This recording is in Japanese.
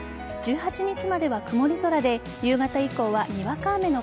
１８日までは曇り空で夕方以降はにわか雨の